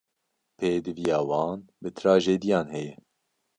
Pêdiviya wan bi trajediyan heye.